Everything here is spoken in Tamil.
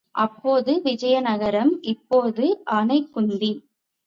அப்போது விஜயநகரம் இப்போது ஆனைக்குந்தி.